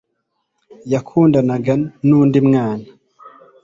yakundanaga n'undi mwana